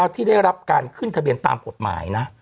ที่ได้รับการขึ้นทะเบียนตามกฎหมายนะ